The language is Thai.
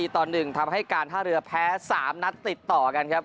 ต่อ๑ทำให้การท่าเรือแพ้๓นัดติดต่อกันครับ